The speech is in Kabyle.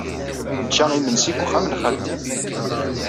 Nečča imensi deg uxxam n xali.